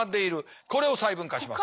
これを細分化します。